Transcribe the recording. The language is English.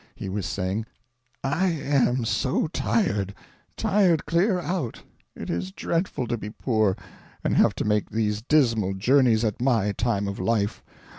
he was saying, "I am so tired tired clear out; it is dreadful to be poor, and have to make these dismal journeys at my time of life.